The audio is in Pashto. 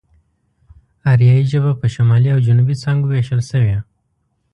آريايي ژبه په شمالي او جنوبي څانگو وېشل شوې.